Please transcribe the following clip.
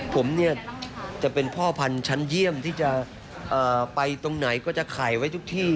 ผมเนี่ยจะเป็นพ่อพันธุ์ชั้นเยี่ยมที่จะไปตรงไหนก็จะขายไว้ทุกที่